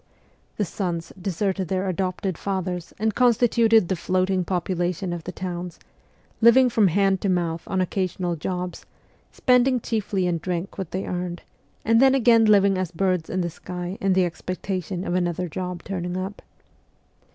The ' sons ' deserted their adopted fathers and constituted the floating population of the towns, living from hand to mouth on occasional jobs, spending chiefly in drink what they earned, and then again living as birds in the sky in the expectation of another job turning up.